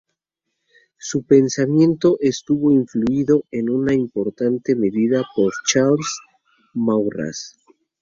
Su pensamiento estuvo influido en una importante medida por Charles Maurras.